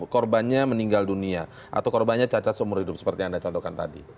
korbannya meninggal dunia atau korbannya cacat seumur hidup seperti yang anda contohkan tadi